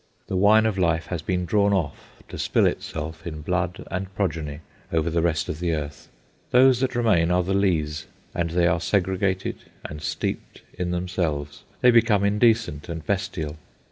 The wine of life has been drawn off to spill itself in blood and progeny over the rest of the earth. Those that remain are the lees, and they are segregated and steeped in themselves. They become indecent and bestial.